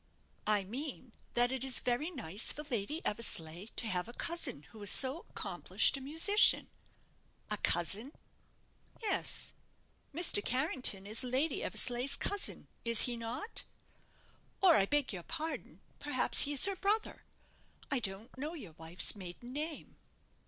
"I mean that it is very nice for Lady Eversleigh to have a cousin who is so accomplished a musician." "A cousin?" "Yes. Mr. Carrington is Lady Eversleigh's cousin is he not? Or, I beg your pardon, perhaps he is her brother. I don't know your wife's maiden name."